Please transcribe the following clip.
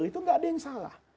itu nggak ada yang salah